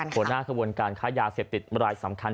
ผลหน้ากระบวนการค้ายาเสพติดมาหลายสำคัญ